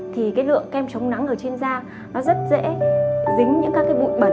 thì cái lượng kem chống nắng ở trên da nó rất dễ dính những các cái bụi bẩn